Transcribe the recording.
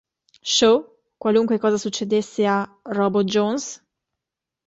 Show", "Qualunque Cosa Succedesse a... Robot Jones?